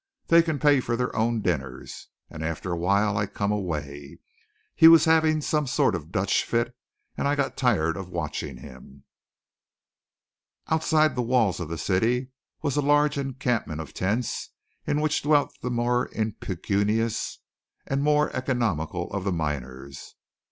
'They can pay for their own dinners,' and after a while I come away. He was having some sort of Dutch fit, and I got tired of watching him." Outside the walls of the city was a large encampment of tents in which dwelt the more impecunious or more economical of the miners.